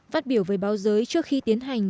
phát biểu với báo giới trước khi tiến hành